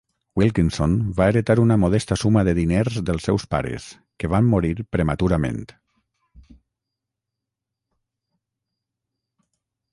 Wilkinson va heretar una modesta suma de diners dels seus pares, que van morir prematurament.